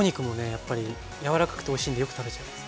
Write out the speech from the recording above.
やっぱり柔らかくておいしいんでよく食べちゃいます。